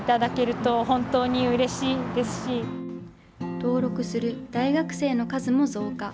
登録する大学生の数も増加。